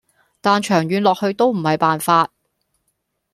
但長遠落去都唔係辦法